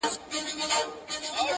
دا احسان دي لا پر ځان نه دی منلی؛